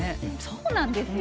そうなんですよ。